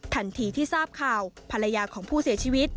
ทันทีที่ทราบข่าวภรรยาของผู้เสียชีวิต